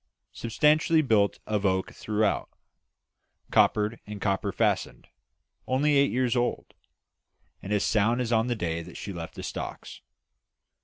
Substantially built of oak throughout; coppered, and copper fastened. Only 8 years old, and as sound as on the day that she left the stocks.